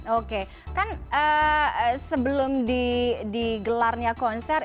oke kan sebelum di gelarnya konser